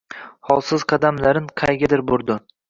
Holsiz qadamlarin qaygadir burdi.